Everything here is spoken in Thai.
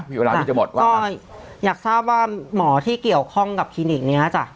มีเวลาที่จะหมดวันก็อยากทราบว่าหมอที่เกี่ยวข้องกับคลินิกเนี้ยจ้ะ